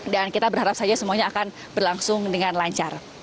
dan kita berharap saja semuanya akan berlangsung dengan lancar